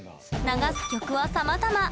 流す曲はさまざま。